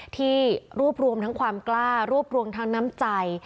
ที่รวบรวมทั้งความกล้ารวบรวมทั้งน้ำใจ